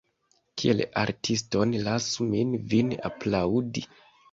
Kiel artiston lasu min vin aplaŭdi.